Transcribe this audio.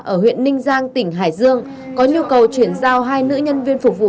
ở huyện ninh giang tỉnh hải dương có nhu cầu chuyển giao hai nữ nhân viên phục vụ